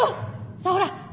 さあほら！